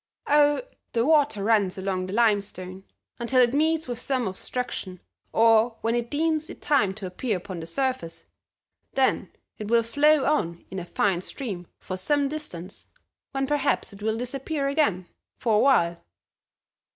"Oh, the water runs along in the limestone until it meets with some obstruction, or when it deems it time to appear upon the surface, then it will flow on in a fine stream for some distance, when perhaps it will disappear again for awhile."